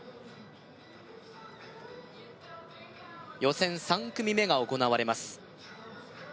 予選３組目が行われます